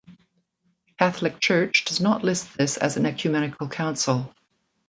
The Catholic Church does not list this as an ecumenical council.